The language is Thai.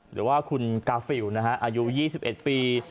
หรือว่าคุณกาฟิลอายุ๒๑ปี